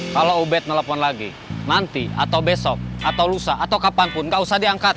kalau ubed nelpon lagi nanti atau besok atau lusa atau kapanpun gak usah diangkat